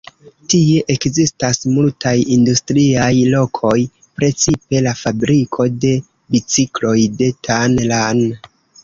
Tie ekzistas multaj industriaj lokoj, precipe la fabriko de bicikloj de Tan Lan.